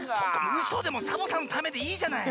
うそでもサボさんのためでいいじゃない。